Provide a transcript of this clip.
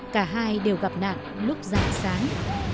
cả hai đều gặp nạn lúc dại sáng